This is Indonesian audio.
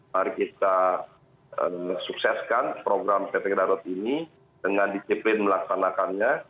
mari kita sukseskan program ppkm darurat ini dengan disiplin melaksanakannya